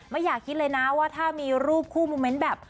อย่าคิดเลยนะว่าถ้ามีรูปคู่โมเมนต์แบบ